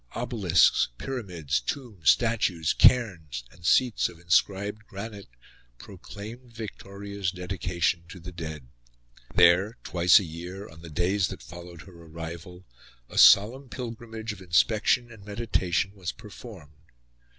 Obelisks, pyramids, tombs, statues, cairns, and seats of inscribed granite, proclaimed Victoria's dedication to the dead. There, twice a year, on the days that followed her arrival, a solemn pilgrimage of inspection and meditation was performed.